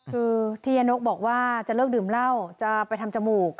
คือที่ยานกบอกว่าจะเลิกดื่มเหล้าจะไปทำจมูก